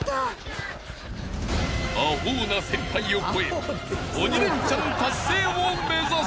［阿呆な先輩を超え鬼レンチャン達成を目指す］